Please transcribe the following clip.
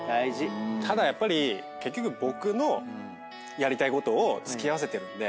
ただやっぱり結局僕のやりたいことを付き合わせてるので。